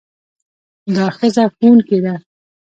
دا ښځه ښوونکې ده.